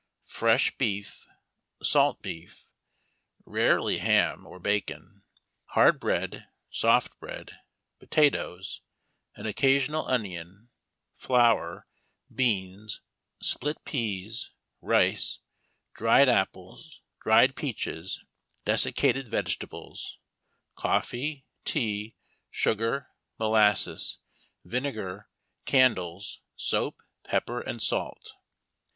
Ill fresh beef, salt beef, rarely ham or bacon, hard bread, soft bread, potatoes, an occasional onion, flour, beans, split pease, rice, dried apples, dried peaches, desiccated vegetables, coffee, tea, sugar, molasses, vinegar, candles, soap, pepper, and salt.